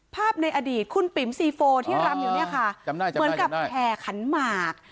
ในอดีตคุณปิ๋มซีโฟที่รำอยู่เนี่ยค่ะเหมือนกับแห่ขันหมาก